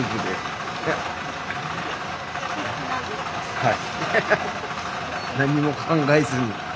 はい。